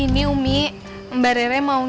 dia bener bener dimana